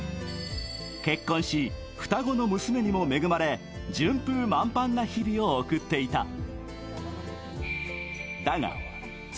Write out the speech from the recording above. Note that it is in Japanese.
結婚し、双子の娘にも恵まれ順風満帆な日々を送っていた。